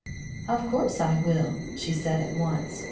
"Of course I will," she said at once.